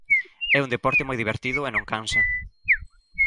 É un deporte moi divertido e non cansa.